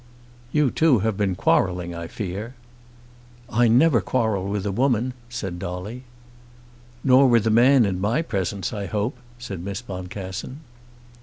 "You two have been quarrelling, I fear." "I never quarrel with a woman," said Dolly. "Nor with a man in my presence, I hope," said Miss Boncassen.